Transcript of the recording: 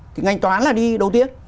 thì ngành toán là đi đầu tiên